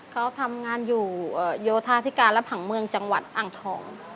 เขาทำงานอยู่โยธาธิการและผังเมืองจังหวัดอ่างทอง